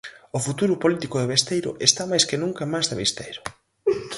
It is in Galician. O futuro político de Besteiro está máis que nunca en mans de Besteiro.